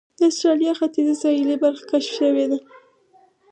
د اسټرالیا ختیځه ساحلي برخه کشف شوې وه.